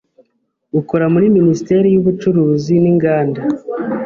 ukora muri Minisiteri y’Ubucuruzi n’Inganda